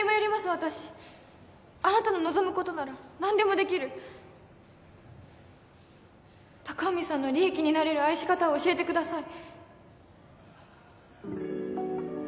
私あなたの望むことなら何でもできる隆文さんの利益になれる愛し方を教えてください